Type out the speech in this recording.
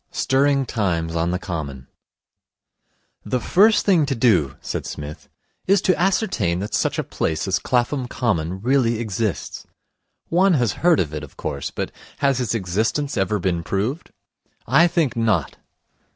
Stirring Times on the Common 'The first thing to do,' said Psmith, 'is to ascertain that such a place as Clapham Common really exists. One has heard of it, of course, but has its existence ever been proved? I think not.